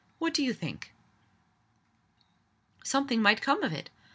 What do you think?" Something might come of it!